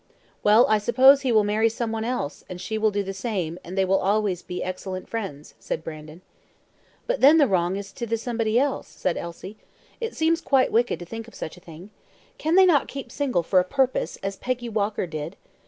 "Well, I suppose he will marry some one else, and she will do the same, and they will always be very excellent friends," said Brandon. "But then the wrong is to the somebody else," said Elsie. "It seems quite wicked to think of such a thing. Can they not keep single for a purpose, as Peggy Walker did?